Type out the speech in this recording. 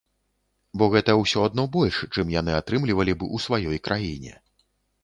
Бо гэта ўсё адно больш, чым яны атрымлівалі б у сваёй краіне.